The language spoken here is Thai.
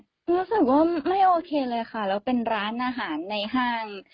รู้สึกว่าไม่โอเคเลยค่ะแล้วเป็นร้านอาหารในห้าง